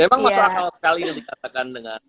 memang masalah sekali yang dikatakan dengan